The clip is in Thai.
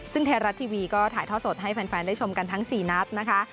ซึ่งไทยรัฐทีวีก็ถ่ายท่อสดให้แฟนได้ชมกันทั้ง๔นัดนะคะ